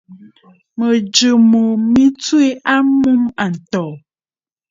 Mɨ̀jɨ̂ mo mɨ tswe a mûm àntɔ̀ɔ̀.